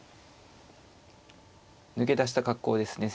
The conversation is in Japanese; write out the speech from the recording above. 抜け出した格好ですね。